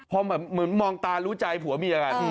พอเหมือนมองตารู้ใจผัวเมียกัน